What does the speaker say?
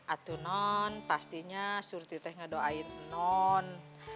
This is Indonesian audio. atu non pastinya surty teh ngedoain non